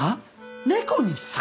猫に「さま」？